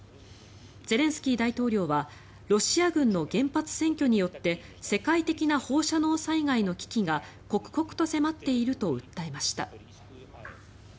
ゼレンスキー大統領はロシア軍の原発占拠によって世界的な放射能災害の危機が刻々と迫っていると訴えました。